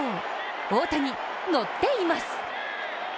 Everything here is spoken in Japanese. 大谷、ノっています！